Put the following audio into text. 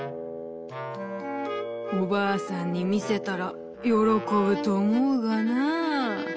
「おばあさんにみせたらよろこぶとおもうがなあ」。